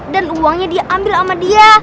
dan uangnya dia ambil sama dia